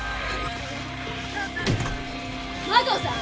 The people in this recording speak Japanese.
麻藤さん！